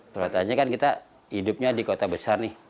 peran perannya kan kita hidupnya di kota besar nih